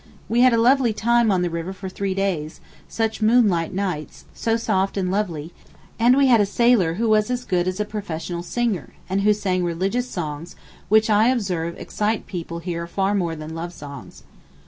We had a lovely time on the river for three days, such moonlight nights, so soft and lovely; and we had a sailor who was as good as a professional singer, and who sang religious songs, which I observe excite people here far more than love songs.